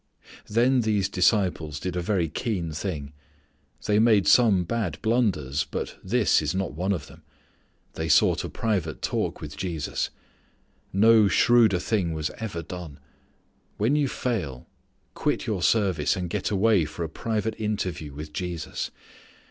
Then these disciples did a very keen thing. They made some bad blunders but this is not one of them. They sought a private talk with Jesus. No shrewder thing was ever done. When you fail, quit your service and get away for a private interview with Jesus.